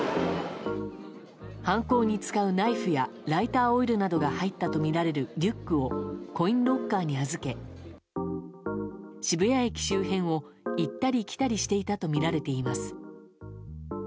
犯行に使うナイフやライターオイルなどが入ったとみられるリュックをコインロッカーに預け渋谷駅周辺を行ったり来たりしていたとみられています。